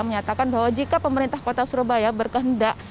menyatakan bahwa jika pemerintah kota surabaya berkendak